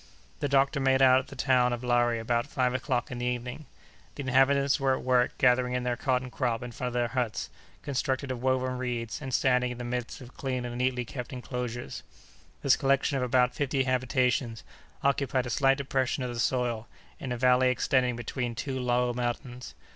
The doctor made out the town of Lari about five o'clock in the evening. The inhabitants were at work gathering in their cotton crop in front of their huts, constructed of woven reeds, and standing in the midst of clean and neatly kept enclosures. This collection of about fifty habitations occupied a slight depression of the soil, in a valley extending between two low mountains.